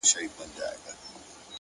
هره پوښتنه نوی درک زېږوي!